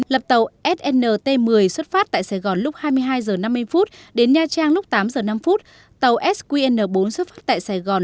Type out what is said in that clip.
lập tàu snt một mươi xuất phát tại sài gòn lúc hai mươi hai h năm mươi đến nha trang lúc tám giờ năm tàu sqn bốn xuất phát tại sài gòn